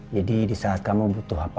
jadi di saat kamu butuh apa apa